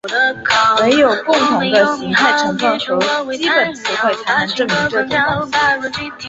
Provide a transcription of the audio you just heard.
惟有共同的形态成分和基本词汇才能证明这种关系。